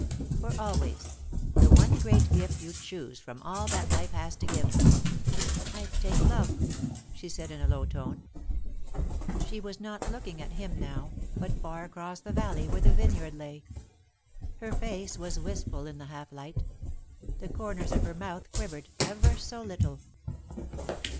"For always. The one great gift you'd choose from all that Life has to give." "I'd take love," she said, in a low tone. She was not looking at him now, but far across the valley where the vineyard lay. Her face was wistful in the half light; the corners of her mouth quivered, ever so little.